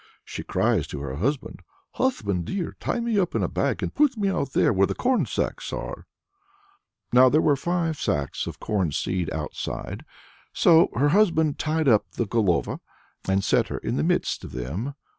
she cries to her husband. "Husband dear! tie me up in a bag, and put me out there where the corn sacks are." Now there were five sacks of seed corn outside, so her husband tied up the Golova, and set her in the midst of them.